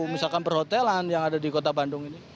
misalkan perhotelan yang ada di kota bandung ini